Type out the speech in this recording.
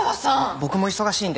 僕も忙しいので。